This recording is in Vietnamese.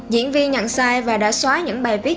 diễn viên nhận sai và đã xóa những bài viết